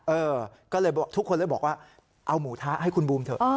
เออก็เลยทุกคนเลยบอกว่าเอาหมูทะให้คุณบูมเถอะ